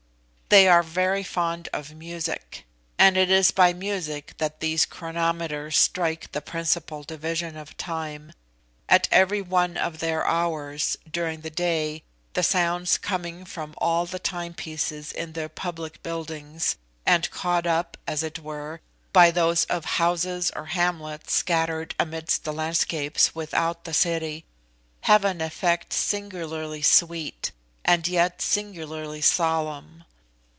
They are very fond of music; and it is by music that these chronometers strike the principal division of time. At every one of their hours, during their day, the sounds coming from all the time pieces in their public buildings, and caught up, as it were, by those of houses or hamlets scattered amidst the landscapes without the city, have an effect singularly sweet, and yet singularly solemn.